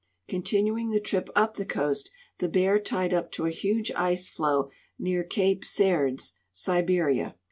Continuing the trip up the coast, the Bear tied up to a huge ice floe near caj)e Serdz;e, Siberia.